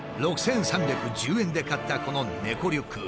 ６，３１０円で買ったこの猫リュック。